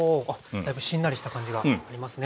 だいぶしんなりした感じがありますね。